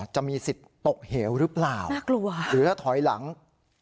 จะมีสิทธิ์ตกเหลวหรือเปล่าหรือถ้าถอยหลังมากลัว